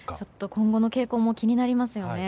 今後の傾向も気になりますよね。